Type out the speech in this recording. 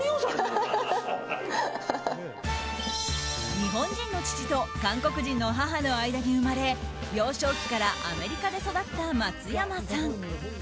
日本人の父と韓国人の母の間に生まれ幼少期からアメリカで育った松山さん。